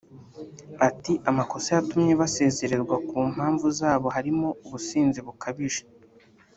Ati” Amakosa yatumye basezerwa ku mpamvu zabo harimo ubusinzi bukabije